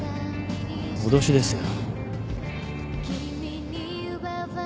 脅しですよ。